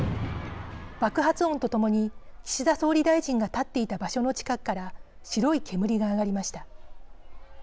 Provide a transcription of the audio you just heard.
爆発音とともに岸田総理大臣が立っていた場所の近くから白い煙が上がりました。